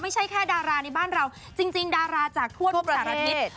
ไม่ใช่แค่ดาราในบ้านเราจริงดาราจากทั่วประเทศ